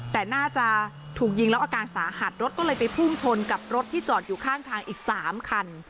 แต่น่าจะถูกยิงแล้วอาการสาหัสรถก็เลยไปพุ่งชนกับรถที่จอดอยู่ข้างทางอีก๓คัน